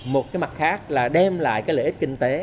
một cái mặt khác là đem lại cái lợi ích kinh tế